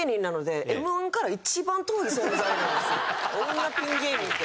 女ピン芸人って。